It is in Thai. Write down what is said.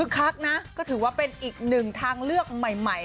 คักนะก็ถือว่าเป็นอีกหนึ่งทางเลือกใหม่